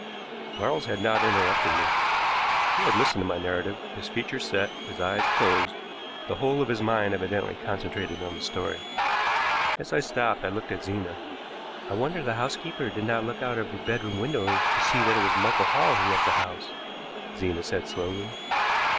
Quarles had not interrupted me. He had listened to my narrative, his features set, his eyes closed, the whole of his mind evidently concentrated on the story. As I stopped I looked at Zena. "I wonder the housekeeper did not look out of her bedroom window to see that it was Michael Hall who left the house," Zena said slowly.